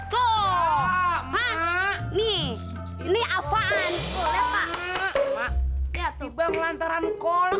hai tuh nih ini apaan korek mak iya tiba ngelantaran kolak